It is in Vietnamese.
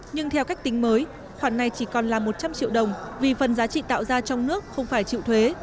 nhưng theo cách tính mới khoản này chỉ còn là một trăm linh triệu đồng vì phần giá trị tạo ra trong nước không phải chịu thuế